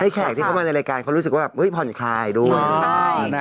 แขกที่เข้ามาในรายการเขารู้สึกว่าผ่อนคลายด้วย